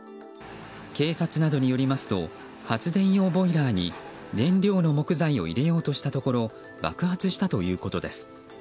警察などによりますと発電用ボイラーに燃料の木材を入れようとしたところ爆発したということです。